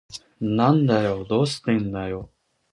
なんでだよ。どうしてだよ。